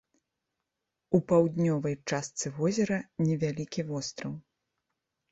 У паўднёвай частцы возера невялікі востраў.